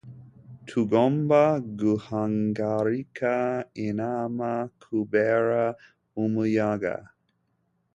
tugomba guhagarika inama kubera umuyaga